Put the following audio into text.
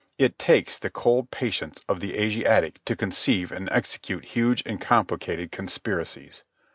It takes the cold patience of the Asiatic to conceive and execute huge and complicated conspiracies.